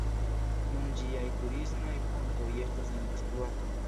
Nun ĝiaj turismaj fontoj estas en ekspluato.